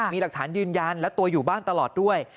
มีหลักฐานยืนยันและตัวอยู่บ้านตลอดด้วย